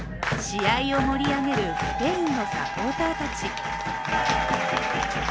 試合を盛り上げるスペインのサポーターたち。